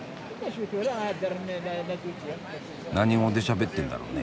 何語でしゃべってんだろうね？